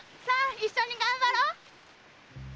さあ一緒にがんばろう！